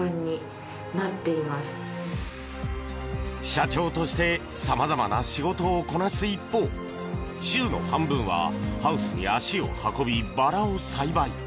社長として様々な仕事をこなす一方週の半分はハウスに足を運びバラを栽培。